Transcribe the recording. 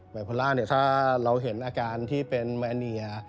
บายโพล่าเนี่ยถ้าเราเห็นอาการที่เป็นแมเนีย